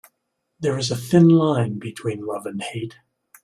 There is a thin line between love and hate.